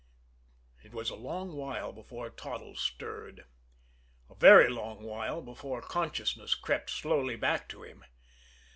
It was a long while before Toddles stirred; a very long while before consciousness crept slowly back to him.